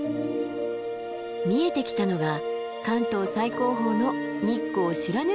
見えてきたのが関東最高峰の日光白根山！